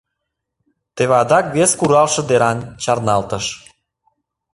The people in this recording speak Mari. Теве адак вес куралше деран чарналтыш.